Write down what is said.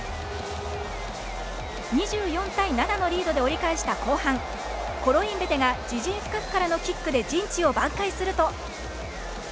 ２４対７のリードで折り返した後半コロインベテが自陣深くからのキックで陣地を挽回すると。